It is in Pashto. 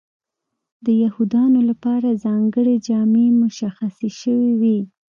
د یهودیانو لپاره ځانګړې جامې مشخصې شوې وې.